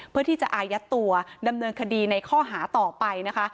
เพื่อที่จะอายัดตัวดำเนินคดีในข้อหาต่อไปนะคะ